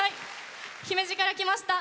姫路から来ました